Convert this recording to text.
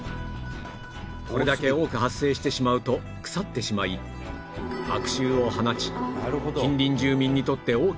これだけ多く発生してしまうと腐ってしまい悪臭を放ち近隣住民にとって大きな問題になっているのだ